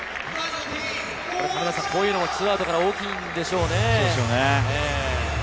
こういうのも２アウトからは大きいんでしょうね。